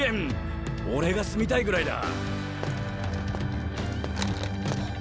俺が住みたいぐらいだ！